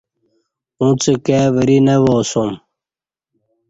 اݩڅ کائی وری نہ وا اسوم